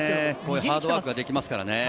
ハードワークができますからね。